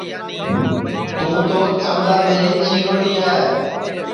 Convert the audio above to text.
تُوں تو چانداملی چیروڑی ہے